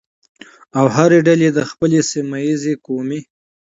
او هرې ډلې د خپل سمتي، قومي